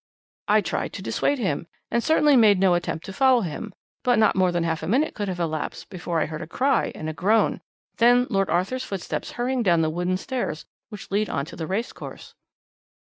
I tried to dissuade him, and certainly made no attempt to follow him, but not more than half a minute could have elapsed before I heard a cry and a groan, then Lord Arthur's footsteps hurrying down the wooden stairs which lead on to the racecourse.'